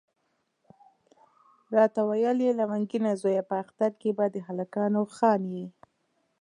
راته ویل یې لونګینه زویه په اختر کې به د هلکانو خان یې.